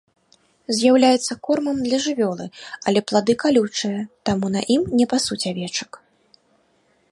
З'яўляецца кормам для жывёлы, але плады калючыя, таму на ім не пасуць авечак.